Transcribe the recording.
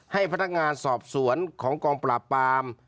ให้พนักงานสอบสวนของกองปราบปาม